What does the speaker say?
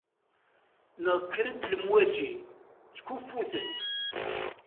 Neɣ kkrent-d lemwaǧi, ttkuffutent.